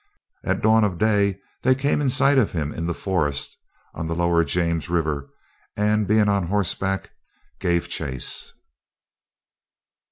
At dawn of day they came in sight of him in the forest on the Lower James River and, being on horseback, gave chase.